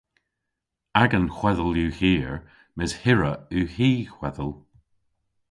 Agan hwedhel yw hir mes hirra yw hy hwedhel.